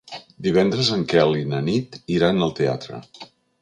Divendres en Quel i na Nit iran al teatre.